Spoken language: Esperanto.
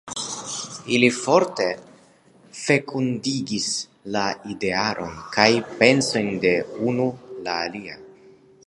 Ili forte fekundigis la idearon kaj pensojn de unu la alia.